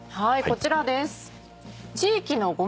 こちらです。